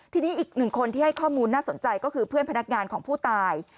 ทีนี้อีกหนึ่งคนที่ให้ข้อมูลน่าสนใจก็คือเพื่อนพนักงานของผู้ตาย